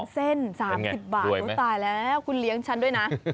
เส้น๓๐บาทตายแล้วคุณเลี้ยงฉันด้วยนะ